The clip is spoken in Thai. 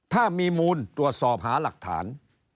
ถ้ามีมูลตรวจสอบหาหลักฐาน